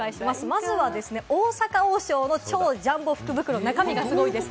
まず大阪王将の超ジャンボ福袋、中身すごいです。